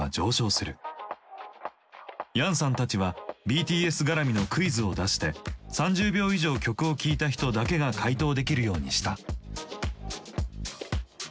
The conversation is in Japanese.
ヤンさんたちはＢＴＳ絡みのクイズを出して３０秒以上曲を聴いた人だけが回答できるようにした。